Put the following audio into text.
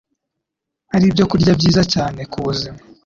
ari ibyokurya byiza cyane ku buzima.